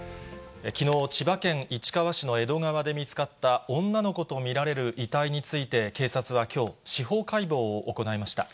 きのう、千葉県市川市の江戸川で見つかった、女の子と見られる遺体について、警察はきょう、司法解剖を行いました。